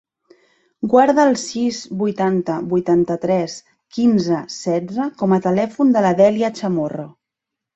Guarda el sis, vuitanta, vuitanta-tres, quinze, setze com a telèfon de la Dèlia Chamorro.